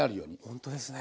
ほんとですね。